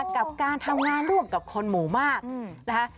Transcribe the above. กับการทำงานร่วมกับคนหมู่มากนะคะ